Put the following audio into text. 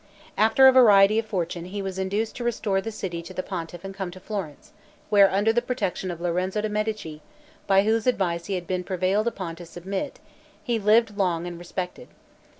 After a variety of fortune, he was induced to restore the city to the pontiff and come to Florence, where, under the protection of Lorenzo de' Medici, by whose advice he had been prevailed upon to submit, he lived long and respected.